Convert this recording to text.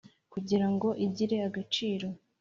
Kugira ngo igire agaciro